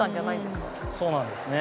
そうなんですね。